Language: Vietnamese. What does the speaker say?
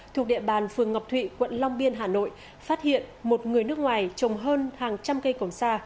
thuộc địa bàn phường ngọc thụy quận long biên hà nội phát hiện một người nước ngoài trồng hơn hàng trăm cây còn sa